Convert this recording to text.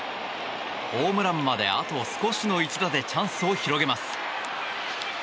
ホームランまであと少しの一打でチャンスを広げます。